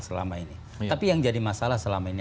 selama ini tapi yang jadi masalah selama ini